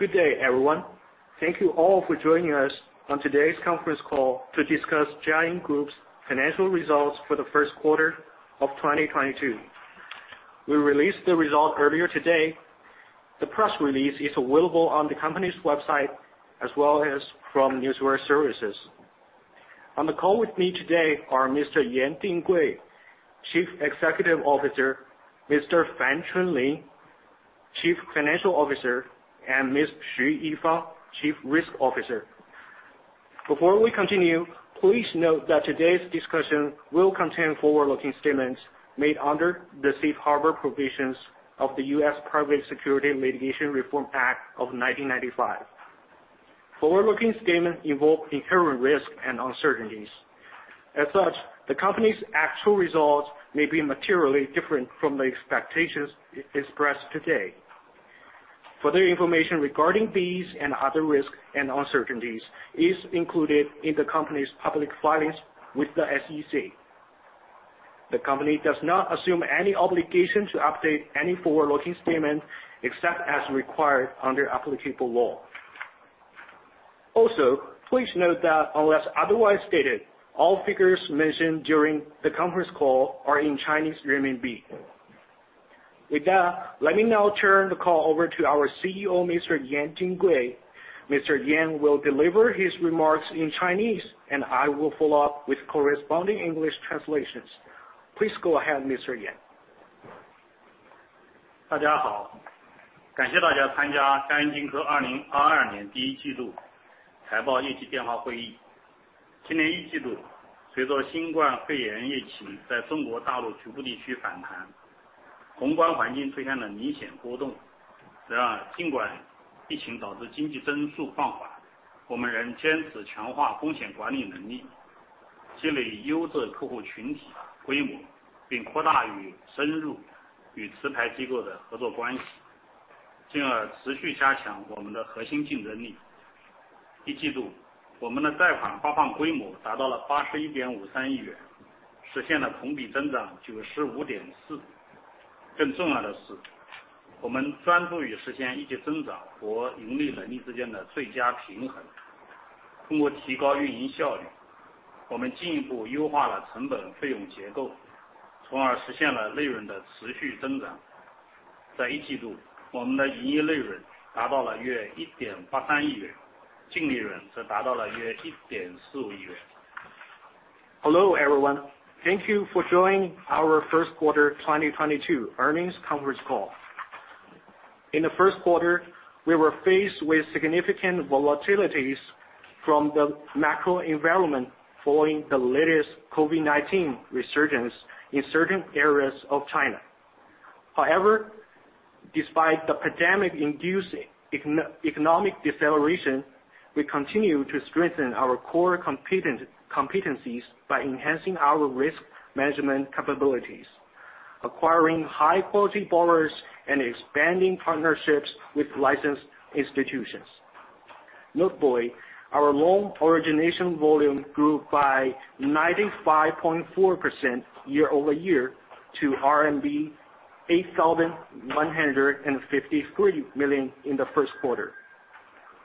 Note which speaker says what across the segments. Speaker 1: Good day, everyone. Thank you all for joining us on today's conference call to discuss Jiayin Group's financial results for the first quarter of 2022. We released the result earlier today. The press release is available on the company's website, as well as from newswire services. On the call with me today are Mr. Dinggui Yan, Chief Executive Officer, Mr. Chunlin Fan, Chief Financial Officer, and Ms. Yifang Xu, Chief Risk Officer. Before we continue, please note that today's discussion will contain forward-looking statements made under the Safe Harbor Provisions of the U.S. Private Securities Litigation Reform Act of 1995. Forward-looking statements involve inherent risk and uncertainties. As such, the company's actual results may be materially different from the expectations expressed today. Further information regarding these and other risks and uncertainties is included in the company's public filings with the SEC. The company does not assume any obligation to update any forward-looking statements except as required under applicable law. Also, please note that unless otherwise stated, all figures mentioned during the conference call are in Chinese renminbi. With that, let me now turn the call over to our CEO, Mr. Dinggui Yan. Mr. Yan will deliver his remarks in Chinese, and I will follow up with corresponding English translations. Please go ahead, Mr. Yan. Hello, everyone. Thank you for joining our first quarter 2022 earnings conference call. In the first quarter, we were faced with significant volatilities from the macro environment following the latest COVID-19 resurgence in certain areas of China. However, despite the pandemic-induced economic deceleration, we continue to strengthen our core competencies by enhancing our risk management capabilities, acquiring high-quality borrowers, and expanding partnerships with licensed institutions. Notably, our loan origination volume grew by 95.4% year-over-year to RMB 8,153 million in the first quarter.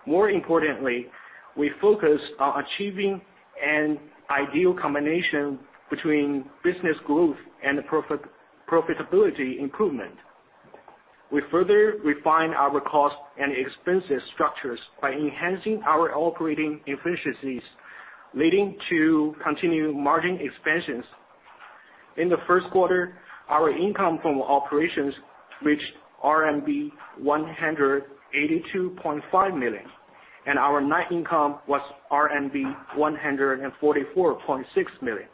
Speaker 1: More importantly, we focus on achieving an ideal combination between business growth and profitability improvement. We further refine our cost and expenses structures by enhancing our operating efficiencies, leading to continued margin expansions. In the first quarter, our income from operations reached RMB 182.5 million, and our net income was RMB 144.6 million.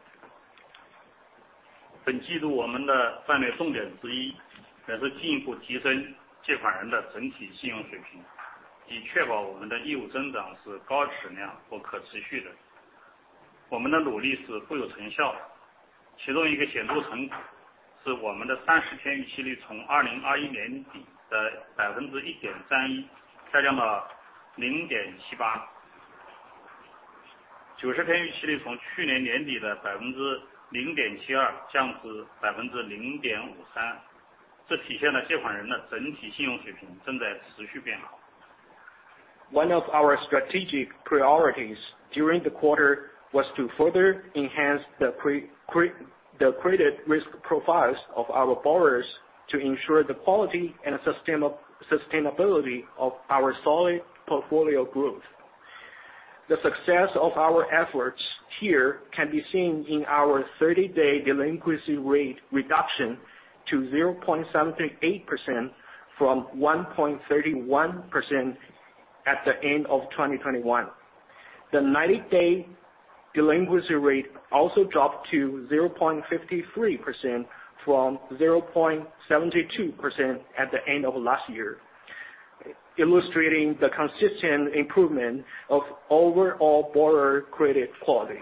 Speaker 1: One of our strategic priorities during the quarter was to further enhance the credit risk profiles of our borrowers to ensure the quality and sustainability of our solid portfolio growth. The success of our efforts here can be seen in our thirty-day delinquency rate reduction to 0.78% from 1.31% at the end of 2021. The ninety-day delinquency rate also dropped to 0.53% from 0.72% at the end of last year, illustrating the consistent improvement of overall borrower credit quality.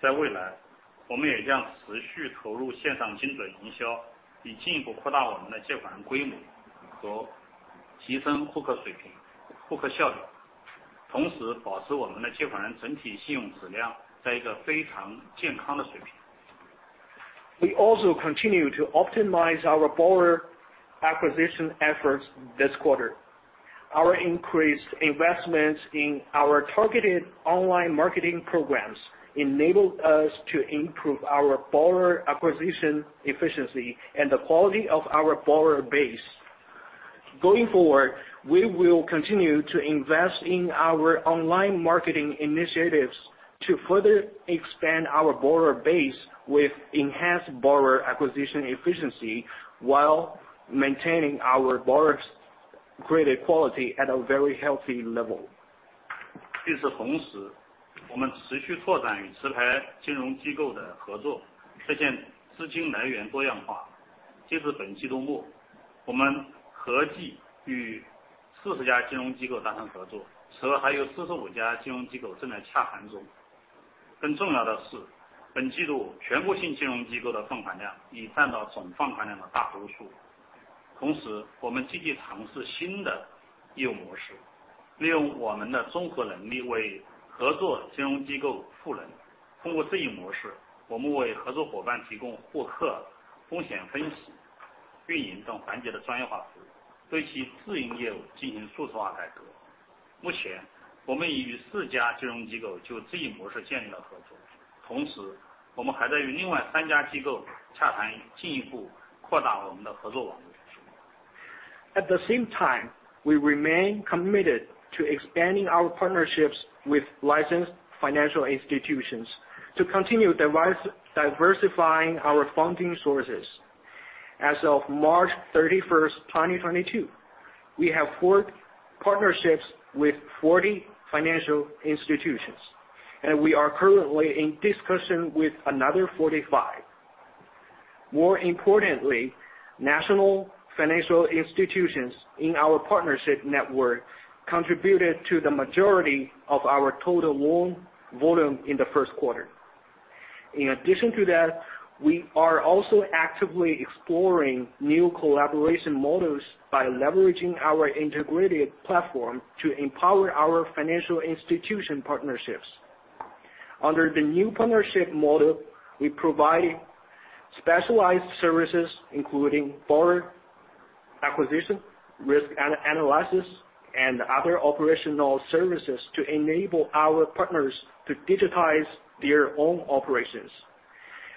Speaker 2: 在未来，我们也将持续投入线上精准营销，以进一步扩大我们的借款人规模和提升顾客水平、顾客效率，同时保持我们的借款人整体信用质量在一个非常健康的水平。
Speaker 1: We also continue to optimize our borrower acquisition efforts this quarter. Our increased investments in our targeted online marketing programs enabled us to improve our borrower acquisition efficiency and the quality of our borrower base. Going forward, we will continue to invest in our online marketing initiatives to further expand our borrower base with enhanced borrower acquisition efficiency while maintaining our borrowers' credit quality at a very healthy level. At the same time, we remain committed to expanding our partnerships with licensed financial institutions to continue diversifying our funding sources. As of March 31st, 2022, we have forged partnerships with 40 financial institutions, and we are currently in discussion with another 45. More importantly, national financial institutions in our partnership network contributed to the majority of our total loan volume in the first quarter. In addition to that, we are also actively exploring new collaboration models by leveraging our integrated platform to empower our financial institution partnerships. Under the new partnership model, we provide specialized services including borrower acquisition, risk analysis, and other operational services to enable our partners to digitize their own operations.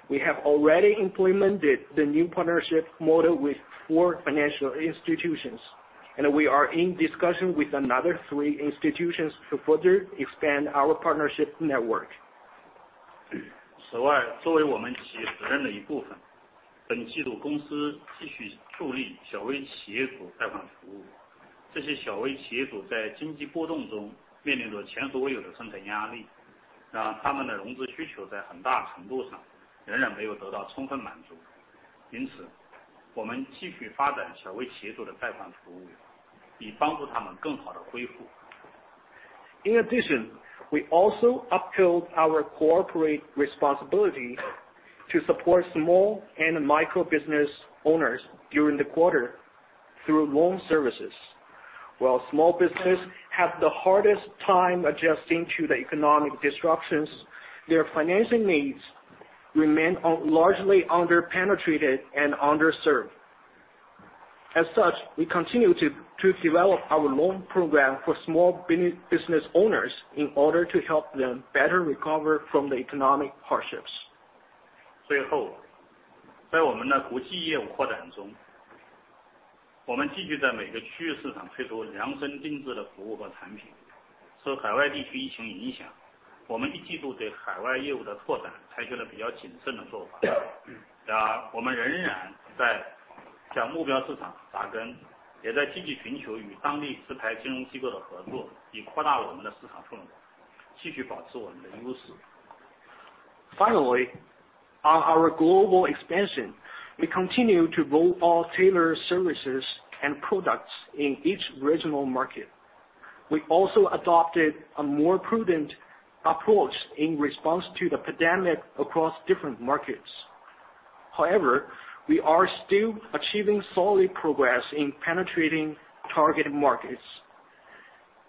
Speaker 1: We have already implemented the new partnership model with four financial institutions, and we are in discussion with another three institutions to further expand our partnership network.
Speaker 2: 此外，作为我们企业责任的一部分，本季度公司继续助力小微企业主贷款服务。这些小微企业主在经济波动中面临着前所未有的生存压力，让他们的融资需求在很大程度上仍然没有得到充分满足。因此，我们继续发展小微企业主的贷款服务，以帮助他们更好地恢复。
Speaker 1: In addition, we also upheld our corporate responsibility to support small and micro business owners during the quarter through loan services. While small businesses have the hardest time adjusting to the economic disruptions, their financing needs remain largely under-penetrated and underserved. As such, we continue to develop our loan program for small business owners in order to help them better recover from the economic hardships.
Speaker 2: 最后，在我们的国际业务扩展中，我们继续在每个区域市场推出量身定制的服务和产品。受海外地区疫情影响，我们一季度对海外业务的拓展采取了比较谨慎的做法。然而我们仍然在向目标市场扎根，也在积极寻求与当地持牌金融机构的合作，以扩大我们的市场份额，继续保持我们的优势。
Speaker 1: Finally, on our global expansion, we continue to roll out tailored services and products in each regional market. We also adopted a more prudent approach in response to the pandemic across different markets. However, we are still achieving solid progress in penetrating target markets.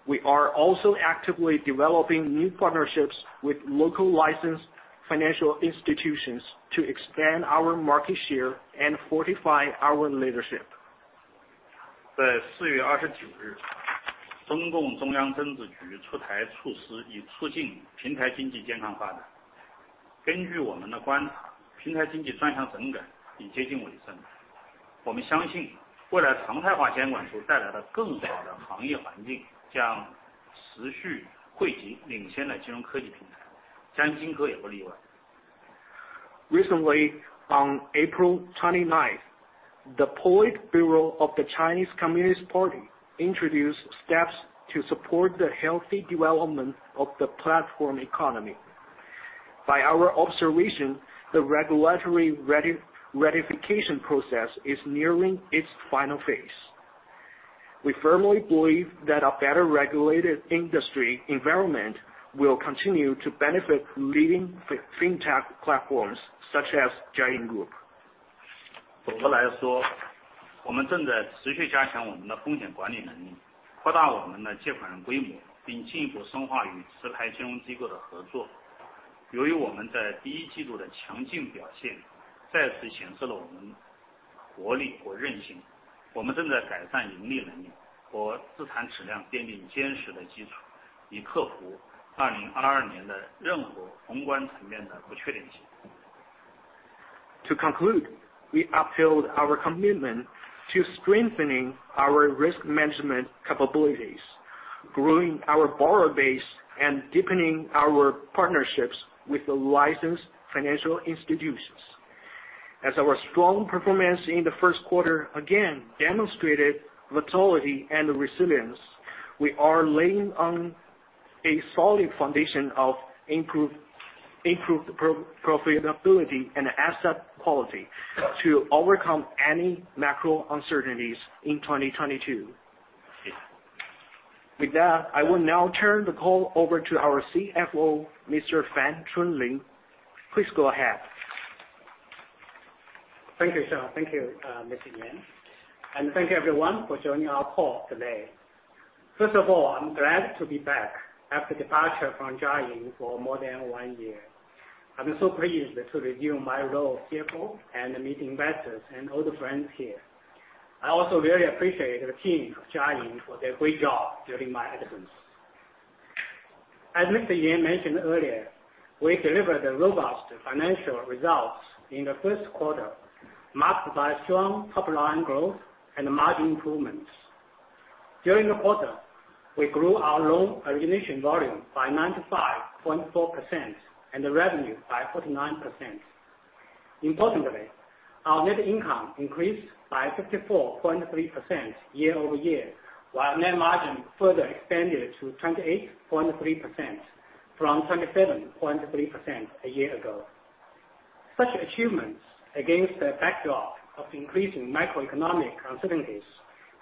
Speaker 1: We are also actively developing new partnerships with local licensed financial institutions to expand our market share and fortify our leadership.
Speaker 2: 在四月二十九日，中共中央政治局出台措施，以促进平台经济健康发展。根据我们的观察，平台经济专项整改已接近尾声。我们相信未来常态化监管所带来的更好的行业环境将持续汇集领先的金融科技平台，而金科也不例外。
Speaker 1: Recently, on April 29th, the Politburo of the Chinese Communist Party introduced steps to support the healthy development of the platform economy. By our observation, the regulatory ratification process is nearing its final phase. We firmly believe that a better regulated industry environment will continue to benefit leading fintech platforms such as Jiayin Group. To conclude, we upheld our commitment to strengthening our risk management capabilities, growing our borrower base, and deepening our partnerships with the licensed financial institutions. As our strong performance in the first quarter again demonstrated vitality and resilience, we are relying on a solid foundation of improved profitability and asset quality to overcome any macro uncertainties in 2022. With that, I will now turn the call over to our CFO, Mr. Fan Chunlin. Please go ahead.
Speaker 3: Thank you, sir. Thank you, Mr. Yan, and thank you everyone for joining our call today. First of all, I'm glad to be back after departure from Jiayin for more than one year. I'm so pleased to resume my role as CFO and to meet investors and all the friends here. I also very appreciate the team of Jiayin for their great job during my absence. As Mr. Yan mentioned earlier, we delivered the robust financial results in the first quarter, marked by strong top-line growth and margin improvements. During the quarter, we grew our loan origination volume by 95.4% and the revenue by 49%. Importantly, our net income increased by 54.3% year-over-year, while net margin further expanded to 28.3% from 27.3% a year ago. Such achievements against the backdrop of increasing macroeconomic uncertainties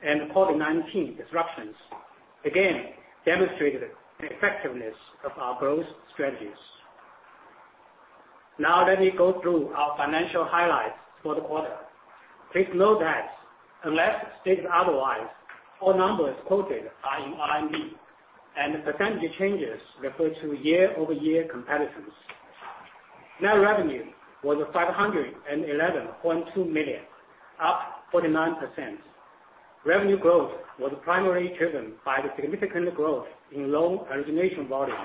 Speaker 3: and COVID-19 disruptions again demonstrated the effectiveness of our growth strategies. Now let me go through our financial highlights for the quarter. Please note that unless stated otherwise, all numbers quoted are in RMB, and percentage changes refer to year-over-year comparisons. Net revenue was 511.2 million, up 49%. Revenue growth was primarily driven by the significant growth in loan origination volume,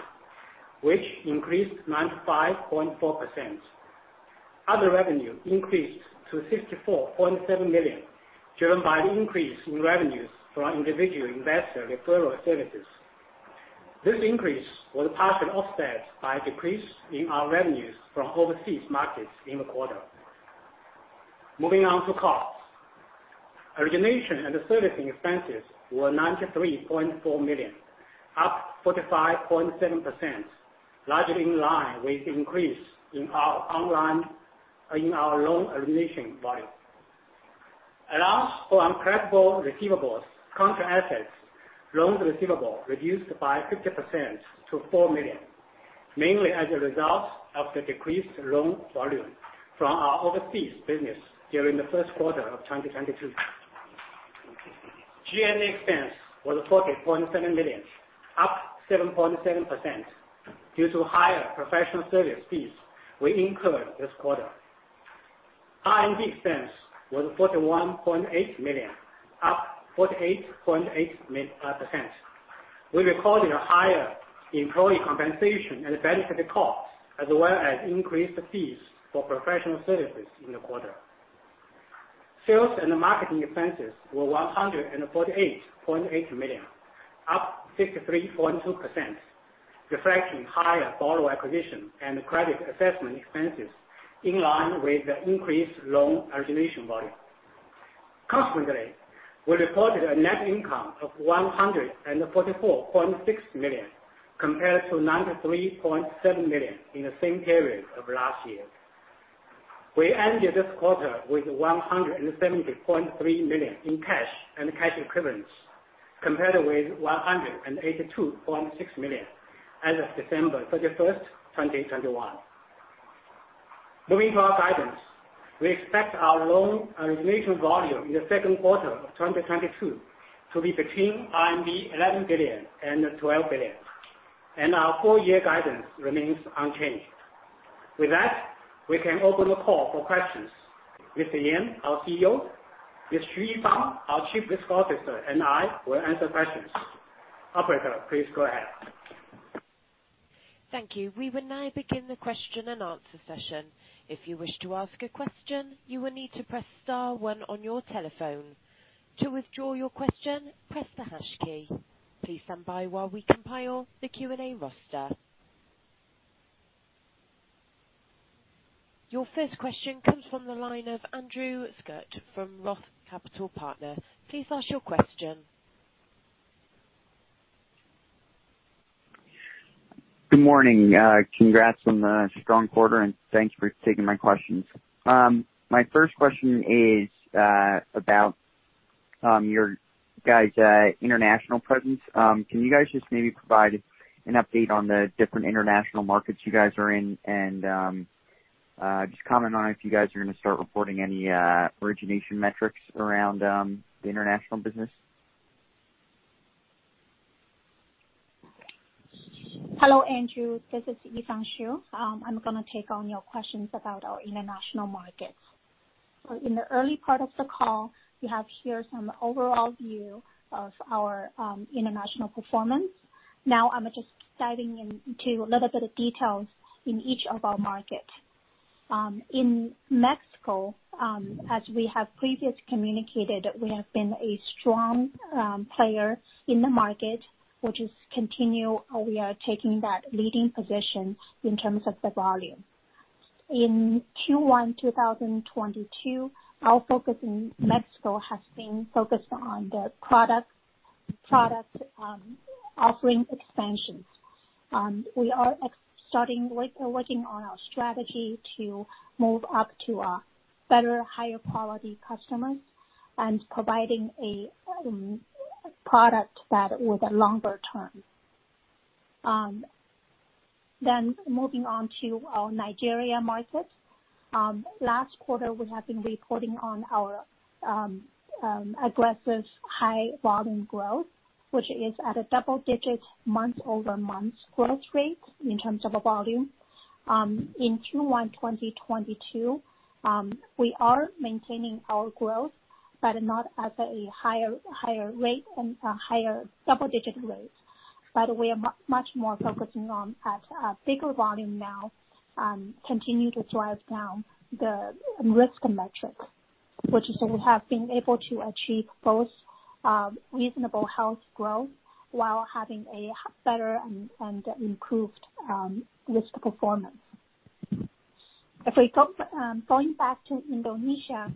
Speaker 3: which increased 95.4%. Other revenue increased to 64.7 million, driven by the increase in revenues from individual investor referral services. This increase was partially offset by a decrease in our revenues from overseas markets in the quarter. Moving on to costs. Origination and servicing expenses were 93.4 million, up 45.7%, largely in line with the increase in our loan origination volume. Allowance for uncollectible receivables, contra-assets, loans receivable reduced by 50% to 4 million, mainly as a result of the decreased loan volume from our overseas business during the first quarter of 2022. G&A expense was 14.7 million, up 7.7% due to higher professional service fees we incurred this quarter. R&D expense was 41.8 million, up 48.8%. We recorded a higher employee compensation and benefit costs as well as increased fees for professional services in the quarter. Sales and marketing expenses were 148.8 million, up 63.2%, reflecting higher borrower acquisition and credit assessment expenses in line with the increased loan origination volume. Consequently, we reported a net income of 144.6 million, compared to 93.7 million in the same period of last year. We ended this quarter with 170.3 million in cash and cash equivalents, compared with 182.6 million as of December 31, 2021. Moving to our guidance, we expect our loan origination volume in the second quarter of 2022 to be between RMB 11 billion and 12 billion, and our full year guidance remains unchanged. With that, we can open the call for questions. Mr. Yan, our CEO, Mr. Xu Yifang, our Chief Risk Officer, and I will answer questions. Operator, please go ahead.
Speaker 4: Thank you. We will now begin the question-and-answer session. If you wish to ask a question, you will need to press star one on your telephone. To withdraw your question, press the hash key. Please stand by while we compile the Q&A roster. Your first question comes from the line of Andrew Scutt from Roth Capital Partners. Please ask your question.
Speaker 5: Good morning. Congrats on the strong quarter, and thanks for taking my questions. My first question is about your guys' international presence. Can you guys just maybe provide an update on the different international markets you guys are in and just comment on if you guys are gonna start reporting any origination metrics around the international business?
Speaker 6: Hello, Andrew. This is Yifang Xu. I'm gonna take on your questions about our international markets. In the early part of the call, you have heard some overall view of our international performance. Now I'm just diving into a little bit of details in each of our markets. In Mexico, as we have previously communicated, we have been a strong player in the market, which is continuing. We are taking that leading position in terms of the volume. In Q1 2022, our focus in Mexico has been focused on the product offering expansions. We are starting with working on our strategy to move up to a better, higher quality customers and providing a product with a longer term. Moving on to our Nigeria market. Last quarter, we have been reporting on our aggressive high volume growth, which is at a double-digit month-over-month growth rate in terms of volume. In Q1 2022, we are maintaining our growth, but not at a higher rate and a higher double-digit rate. We are much more focusing on a bigger volume now, continue to drive down the risk metrics, which is we have been able to achieve both reasonable healthy growth while having a better and improved risk performance. Going back to Indonesia,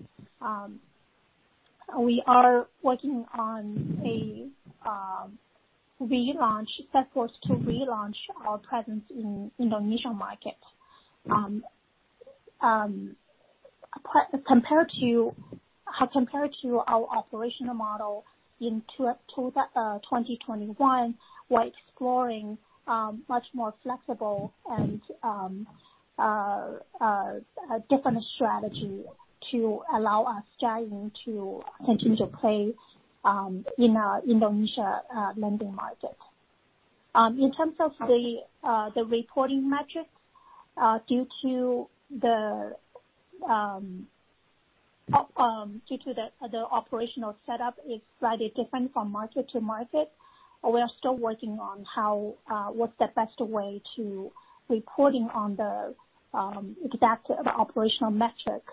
Speaker 6: we are working on a relaunch that is to relaunch our presence in Indonesian market. Compared to... Compared to our operational model in 2021, we're exploring much more flexible and different strategy to allow us dive into potential plays in Indonesia lending market. In terms of the reporting metrics, due to the operational setup is slightly different from market to market, we are still working on how what's the best way to reporting on that operational metric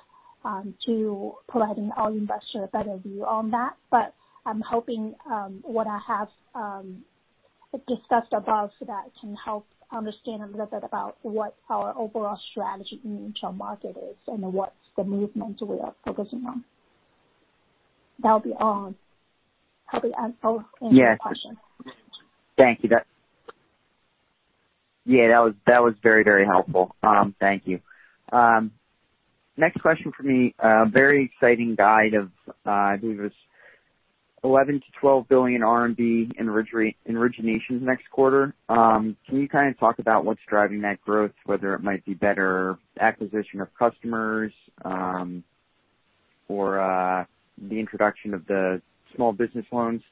Speaker 6: to providing our investor a better view on that. I'm hoping what I have discussed above that can help understand a little bit about what our overall strategy in each market is and what's the movement we are focusing on. That'll be all. Hope I answer any question.
Speaker 5: Yes. Thank you. That was very helpful. Thank you. Next question for me, a very exciting guidance of, I believe it was eleven to twelve billion RMB in originations next quarter. Can you kind of talk about what's driving that growth, whether it might be better acquisition of customers, or the introduction of the small business loans?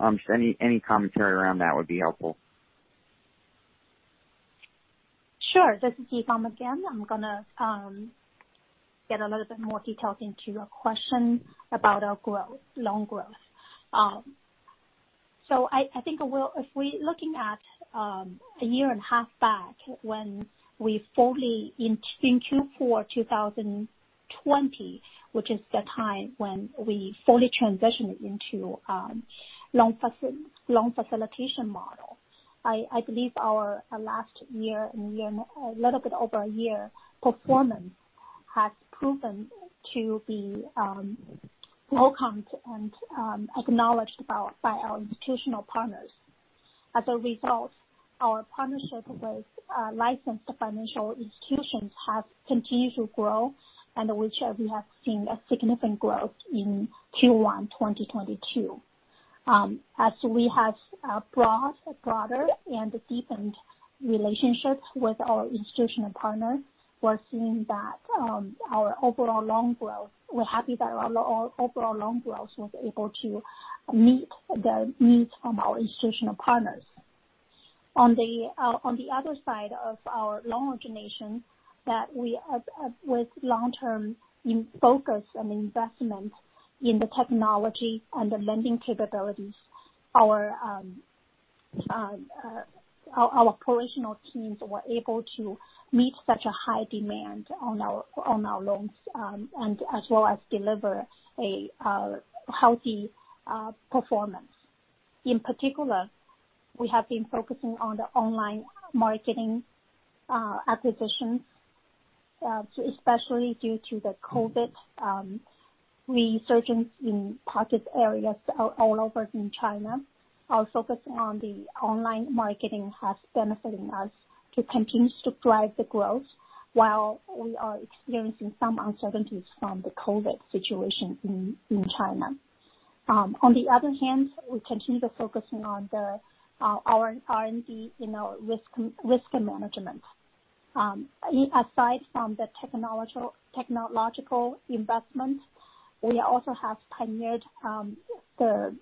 Speaker 5: Just any commentary around that would be helpful.
Speaker 6: Sure. This is Yifang Xu again. I'm gonna get a little bit more details into your question about our growth, loan growth. I think if we looking at a year and a half back in Q4 2020, which is the time when we fully transition into loan facilitation model, I believe our last year, a little bit over a year performance has proven to be welcomed and acknowledged by our institutional partners. As a result, our partnership with licensed financial institutions have continued to grow, and which we have seen a significant growth in Q1 2022. As we have broader and deepened relationships with our institutional partners, we're seeing that our overall loan growth. We're happy that our overall loan growth was able to meet the needs from our institutional partners. On the other side of our loan origination, with long-term focus and investment in the technology and the lending capabilities, our operational teams were able to meet such a high demand on our loans and as well as deliver a healthy performance. In particular, we have been focusing on the online marketing acquisition. Especially due to the COVID resurgence in hotspot areas all over China, our focus on the online marketing has benefiting us to continue to drive the growth while we are experiencing some uncertainties from the COVID situation in China. On the other hand, we continue to focusing on our R&D in our risk management. Aside from the technological investment, we also have pioneered the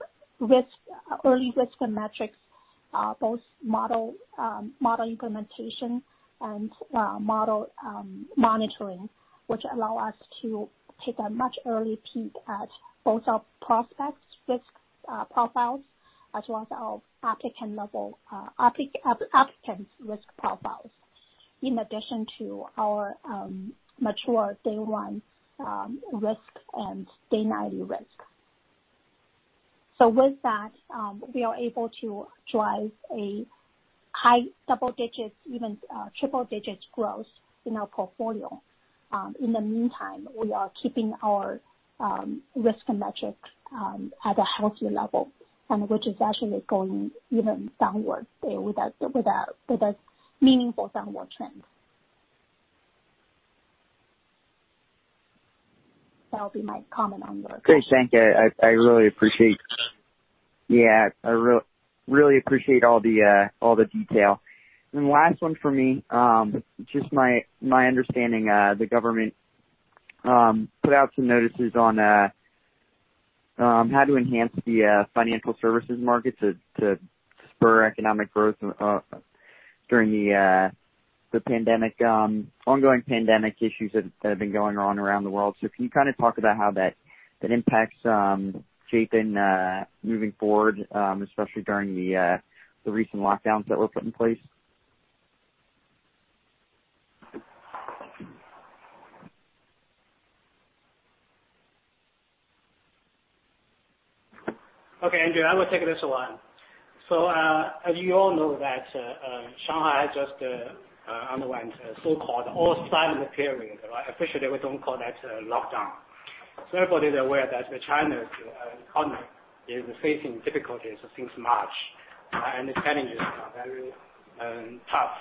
Speaker 6: early risk and metrics both model implementation and model monitoring, which allow us to take a much earlier peek at both our prospects risk profiles, as well as our applicant level applicant risk profiles, in addition to our mature day one risk and day ninety risk. With that, we are able to drive a high double digits, even triple digits growth in our portfolio. In the meantime, we are keeping our risk and metrics at a healthy level, and which is actually going even downward with a meaningful downward trend. That'll be my comment on the.
Speaker 5: Great. Thank you. I really appreciate. Yeah, I really appreciate all the detail. Last one for me. Just my understanding, the government put out some notices on how to enhance the financial services market to spur economic growth during the pandemic, ongoing pandemic issues that have been going on around the world. Can you kinda talk about how that impacts Jiayin moving forward, especially during the recent lockdowns that were put in place?
Speaker 3: Okay, Andrew, I will take this one. As you all know, Shanghai has just undergone a so-called all silent period, right? Officially, we don't call that a lockdown. Everybody is aware that China's economy is facing difficulties since March, and the challenges are very tough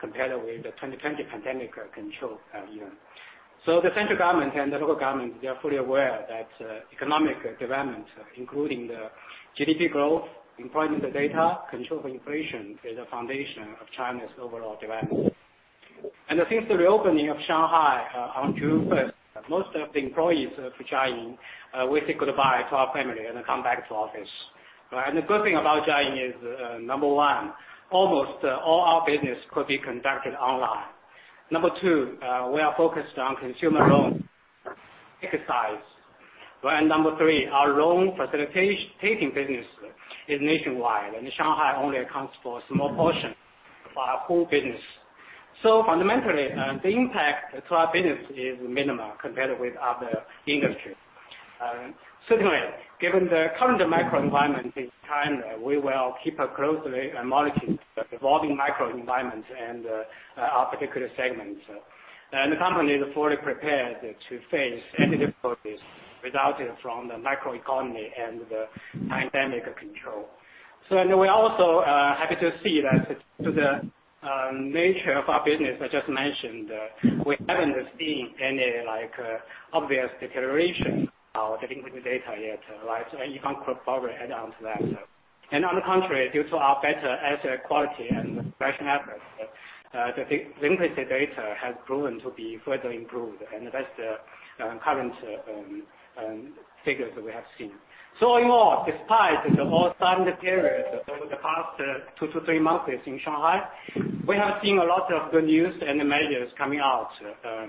Speaker 3: compared with the 2020 pandemic control year. The central government and the local government are fully aware that economic development, including the GDP growth, employment data, control of inflation, is a foundation of China's overall development. Since the reopening of Shanghai on June 1st, most of the employees for Jiayin, we say goodbye to our family and come back to office, right? The good thing about Jiayin is, number one, almost all our business could be conducted online. Number two, we are focused on consumer loan services, right? Number three, our loan facilitating business is nationwide, and Shanghai only accounts for a small portion of our whole business. Fundamentally, the impact to our business is minimal compared with other industries. Certainly, given the current macro environment in China, we will keep closely monitoring the evolving macro environment and our particular segment. The company is fully prepared to face any difficulties resulting from the macroeconomy and the pandemic control. We're also happy to see that to the nature of our business, I just mentioned, we haven't seen any, like, obvious deterioration of the liquidity data yet, right? Yifang Xu could probably add on to that. On the contrary, due to our better asset quality and collection efforts, the liquidity data has proven to be further improved and that's the current figures that we have seen. In all, despite the whole silent period over the past 2-3 months in Shanghai, we have seen a lot of good news and the measures coming out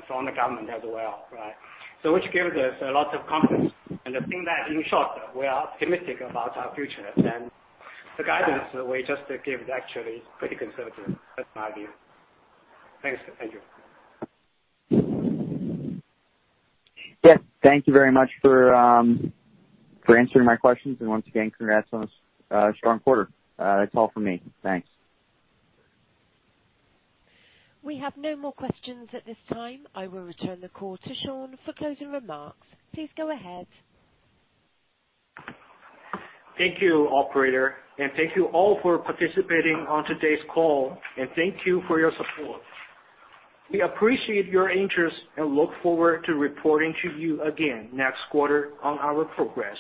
Speaker 3: from the government as well, right? Which gives us a lot of confidence. I think that in short, we are optimistic about our future. The guidance we just give is actually pretty conservative. That's my view. Thanks Andrew.
Speaker 5: Yes, thank you very much for answering my questions. Once again, congrats on a strong quarter. That's all for me. Thanks.
Speaker 4: We have no more questions at this time. I will return the call to Shawn for closing remarks. Please go ahead.
Speaker 1: Thank you, operator, and thank you all for participating on today's call, and thank you for your support. We appreciate your interest and look forward to reporting to you again next quarter on our progress.